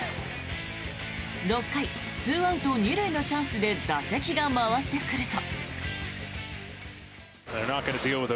６回、２アウト２塁のチャンスで打席が回ってくると。